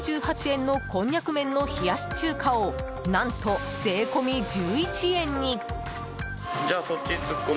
１９８円のこんにゃく麺の冷やし中華を何と、税込み１１円に。